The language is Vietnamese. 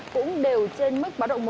cũng đều trên mức báo động một